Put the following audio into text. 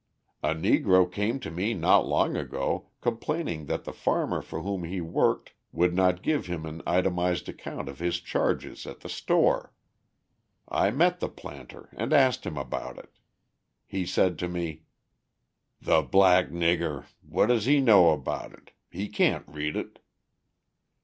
A Negro came to me not long ago complaining that the farmer for whom he worked would not give him an itemised account of his charges at the store. I met the planter and asked him about it. He said to me: "'The black nigger! What does he know about it? He can't read it.'